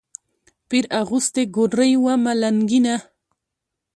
پیر اغوستې ګودړۍ وه ملنګینه